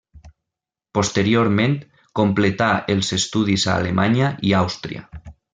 Posteriorment completà els estudis a Alemanya i Àustria.